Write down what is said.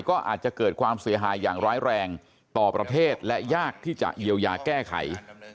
ก็อาจจะเกิดความเสียหายอย่างร้ายแรงต่อประเทศและยากที่จะเยียวยาแก้ไข